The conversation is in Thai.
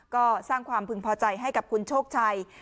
ก็สร้างความพึงพอใจให้กับคุณโชคชัย